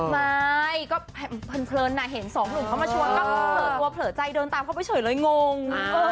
ไม่ก็เพลินเห็นสองหนุ่มเขามาชวนก็เผลอตัวเผลอใจเดินตามเขาไปเฉยเลยงง